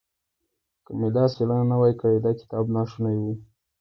که مې دا څېړنه نه وای کړې دا کتاب ناشونی و.